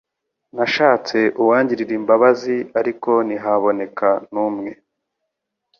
nashatse uwangirira imbabazi ariko ntihaboneka n'umwe,